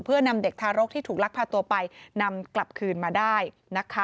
เพื่อนำเด็กทารกที่ถูกลักพาตัวไปนำกลับคืนมาได้นะคะ